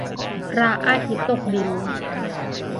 พระอาทิตย์ตกดิน